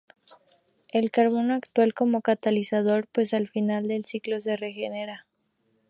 El carbono actúa como catalizador, pues al final del ciclo se regenera.